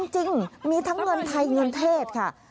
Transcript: จริงมีทั้งเงินไทยเงินเทศค่ะ